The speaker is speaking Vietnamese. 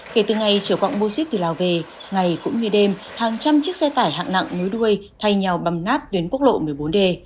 kể từ ngày trở quạng bô xích từ lào về ngày cũng như đêm hàng trăm chiếc xe tải hạng nặng nối đuôi thay nhau bầm nát tuyến quốc lộ một mươi bốn d